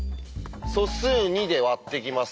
素数２で割っていきます。